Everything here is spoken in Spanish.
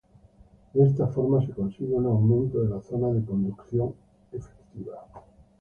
De esta forma se consigue un aumento de la zona de conducción efectiva.